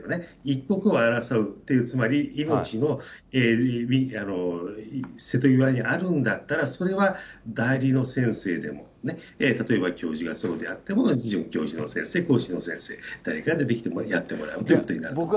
一刻を争うっていう、つまり命の瀬戸際にあるんだったら、それは代理の先生でも、例えば教授がそうであっても准教授の先生、講師の先生、誰かが出てきてやってもらうということになります。